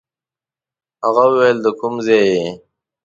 هغه ویل د کوم ځای یې.